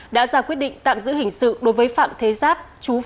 đã ra quyết định tạm giữ hình sự đối với phạm thế giáp